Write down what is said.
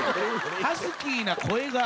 ハスキーな声が。